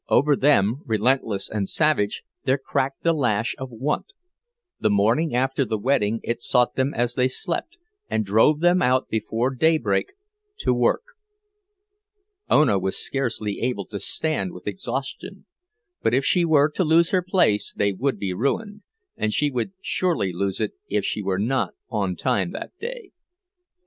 Over them, relentless and savage, there cracked the lash of want; the morning after the wedding it sought them as they slept, and drove them out before daybreak to work. Ona was scarcely able to stand with exhaustion; but if she were to lose her place they would be ruined, and she would surely lose it if she were not on time that day.